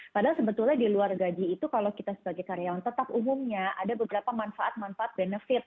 padahal sebetulnya di luar gaji itu kalau kita sebagai karyawan tetap umumnya ada beberapa manfaat manfaat benefit